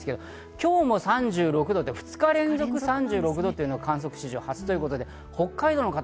今日も３６度と２日連続で３６度というのは観測史上初ということです。